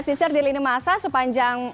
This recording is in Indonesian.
sisir di lini masa sepanjang